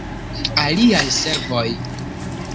Aliaj servoj.